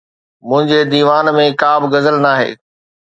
منهنجي ديوان ۾ ڪا به غزل ناهي.